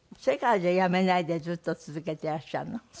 それからじゃあやめないでずっと続けていらっしゃるの？